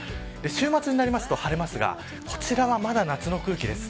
週末になりますと晴れますがこちらはまだ夏の空気です。